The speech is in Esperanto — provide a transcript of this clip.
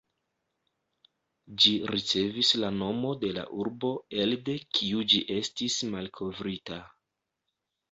Ĝi ricevis la nomo de la urbo elde kiu ĝi estis malkovrita.